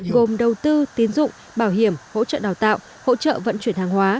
gồm đầu tư tín dụng bảo hiểm hỗ trợ đào tạo hỗ trợ vận chuyển hàng hóa